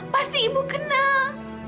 pasti ibu kenal